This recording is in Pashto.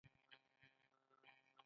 زه د خپلې کورنۍ لپاره زده کړه شریکوم.